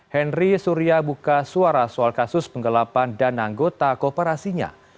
henry surya buka suara soal kasus penggelapan dan anggota kooperasinya